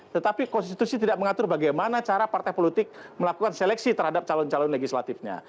tetapi konstitusi tidak mengatur bagaimana cara partai politik melakukan seleksi terhadap calon calon legislatifnya